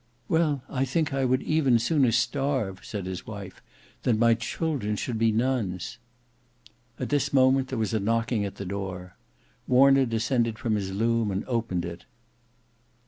"Well, I think I would even sooner starve," said his wife, "than my children should be nuns." At this moment there was a knocking at the door. Warner descended from his loom and opened it.